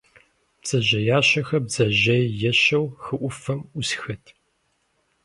Бдзэжьеящэхэр бдзэжьей ещэу хы Ӏуфэм Ӏусхэт.